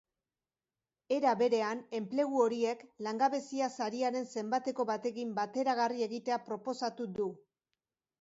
Era berean, enplegu horiek langabezia-sariaren zenbateko batekin bateragarri egitea proposatu du.